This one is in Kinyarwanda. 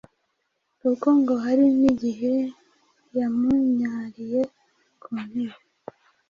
kuko ngo hari n’igihe yamunyariye ku ntebe